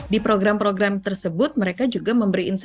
di program program tersebut mereka juga memberi insentif